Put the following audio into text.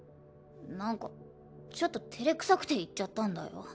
何かちょっと照れくさくて言っちゃったんだよ。